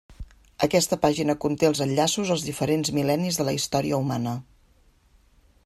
Aquesta pàgina conté els enllaços als diferents mil·lennis de la història humana.